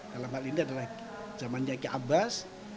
dalam hal ini adalah zaman nyakyah abbas